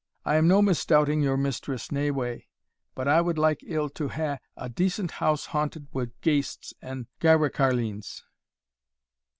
I am no misdoubting your mistress nae way, but I wad like ill to hae a decent house haunted wi' ghaists and gyrecarlines."